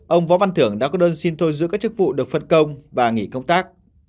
ông võ văn thưởng đã có đơn xin thôi giữ các chức vụ được phân công và nghỉ công tác